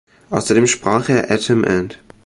Außerdem sprach er Atom Ant.